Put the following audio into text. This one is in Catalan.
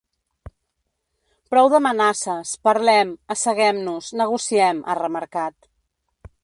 Prou d’amenaces, parlem, asseguem-nos, negociem, ha remarcat.